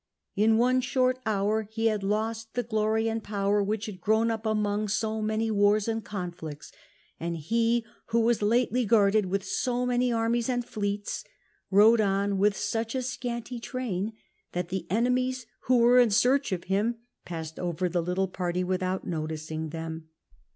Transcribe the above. In otie short hour he had lost the glory and power which had grown up among so many wars and conflicts^ and he, who was lately guarded with so many armies and fleets, rode on with sttch a scanty train that the enemies who were in search of him passed over the little party without noticing them."